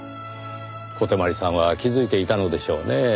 小手鞠さんは気づいていたのでしょうねぇ。